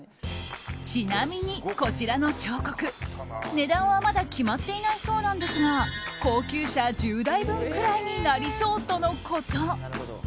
ちなみに、こちらの彫刻値段は、まだ決まっていないそうなんですが高級車１０台分くらいになりそうとのこと。